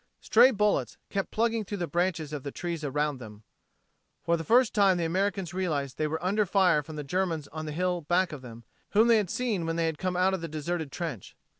Stray bullets kept plugging through the branches of the trees around them. For the first time the Americans realized they were under fire from the Germans on the hill back of them, whom they had seen when they came out of the deserted trench.